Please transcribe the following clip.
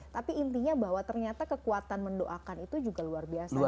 tapi intinya bahwa ternyata kekuatan mendoakan itu juga luar biasa